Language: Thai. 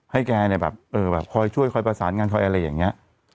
แกเนี่ยแบบคอยช่วยคอยประสานงานคอยอะไรอย่างนี้